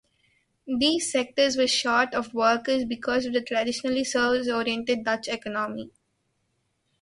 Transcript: These sectors were short of workers because of the traditionally service-oriented Dutch economy.